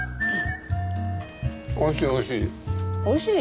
おいしいおいしい。